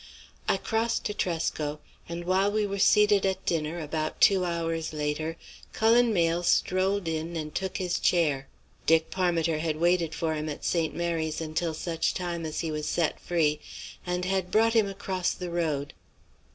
I crossed to Tresco, and while we were seated at dinner, about two hours later, Cullen Mayle strolled in and took his chair. Dick Parmiter had waited for him at St. Mary's until such time as he was set free, and had brought him across the Road.